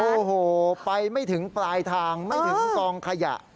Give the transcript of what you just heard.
โอ้โหไปไม่ถึงปลายทางไม่ถึงกองขยะ